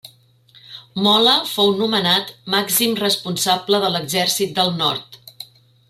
Mola fou nomenat màxim responsable de l'Exèrcit del Nord.